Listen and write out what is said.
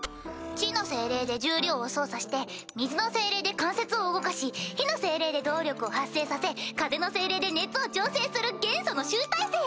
地の精霊で重量を操作して水の精霊で関節を動かし火の精霊で動力を発生させ風の精霊で熱を調整する元素の集大成！